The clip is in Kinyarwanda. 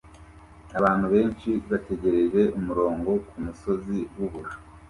Abantu benshi bategereje umurongo kumusozi wubura